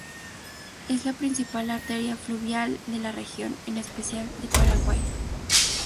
Es la principal arteria fluvial de la región, en especial, de Paraguay.